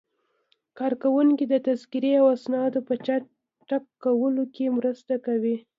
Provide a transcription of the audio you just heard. کارکوونکي د تذکرې او اسنادو په چک کولو کې مرسته کوي.